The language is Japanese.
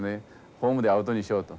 ホームでアウトにしようと。